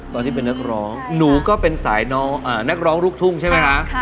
ใช่ครับ